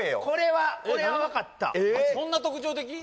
これはわかったそんな特徴的？